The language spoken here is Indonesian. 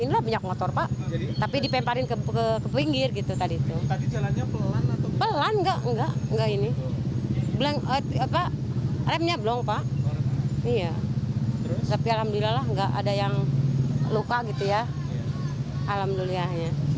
luka gitu ya alhamdulillah